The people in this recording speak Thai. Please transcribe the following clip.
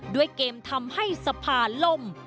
ด้วยเกมทำให้สภาล่ม